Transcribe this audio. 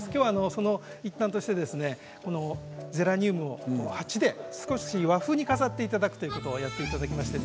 その一環としてゼラニウムを鉢で和風に飾っていただくということをやっていただきました。